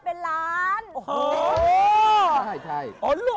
ผู้ชายได้เป็นล้าน